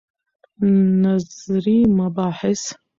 نظري مباحث